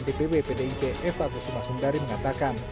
bpw pdip eva busuma sundari mengatakan